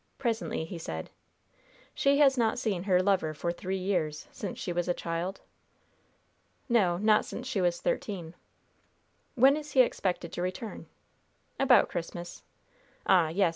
Presently he said: "She has not seen her lover for three years, since she was a child?" "No, not since she was thirteen." "When is he expected to return?" "About Christmas." "Ah, yes!